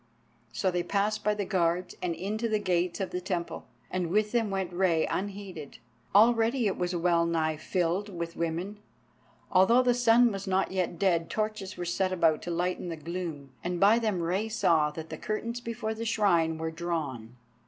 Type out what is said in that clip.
So they passed by the guards and into the gates of the Temple, and with them went Rei unheeded. Already it was well nigh filled with women. Although the sun was not yet dead, torches were set about to lighten the gloom, and by them Rei saw that the curtains before the Shrine were drawn.